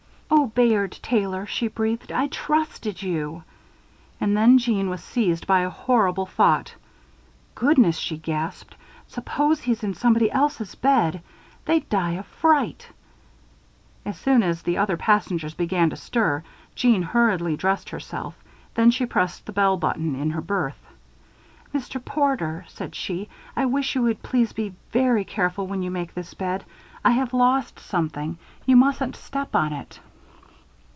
"Oh, Bayard Taylor!" she breathed, "I trusted you." And then, Jeanne was seized by a horrible thought. "Goodness!" she gasped. "Suppose he's in somebody else's bed they'd die of fright!" As soon as the other passengers began to stir, Jeanne hurriedly dressed herself. Then she pressed the bell button in her berth. "Mr. Porter," said she, "I wish you would please be very careful when you make this bed. I have lost something you mustn't step on it."